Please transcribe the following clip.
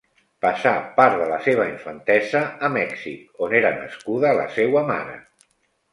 Passà part de la seva infantesa a Mèxic, on era nascuda la seua mare.